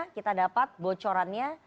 kita dapat bocorannya